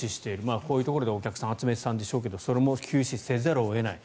こういうところでお客さんを集めていたんでしょうがそれも休止せざるを得ない。